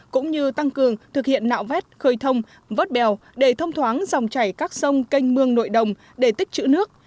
cũng như tăng cường thực hiện nạo vét khơi thông vớt bèo để thông thoáng dòng chảy các sông canh mương nội đồng để tích chữ nước